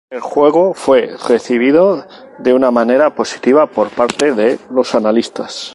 El juego fue recibido de una manera positiva por parte de los analistas.